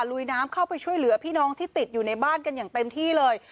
ลุยน้ำเข้าไปช่วยเหลือพี่น้องที่ติดอยู่ในบ้านกันอย่างเต็มที่เลย